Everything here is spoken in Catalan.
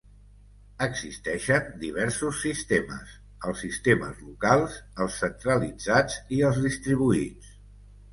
Existeixen diversos sistemes: els sistemes locals, els centralitzats i els distribuïts.